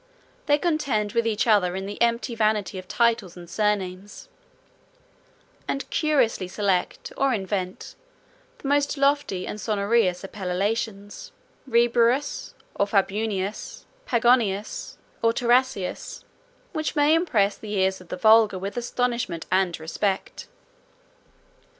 They contend with each other in the empty vanity of titles and surnames; and curiously select, or invent, the most lofty and sonorous appellations, Reburrus, or Fabunius, Pagonius, or Tarasius, 36 which may impress the ears of the vulgar with astonishment and respect.